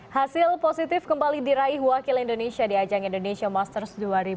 hasil positif kembali diraih wakil indonesia di ajang indonesia masters dua ribu dua puluh